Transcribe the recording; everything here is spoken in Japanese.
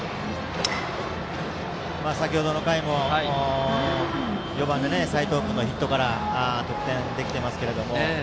先程の回も４番の齋藤君のヒットから得点できていますけど。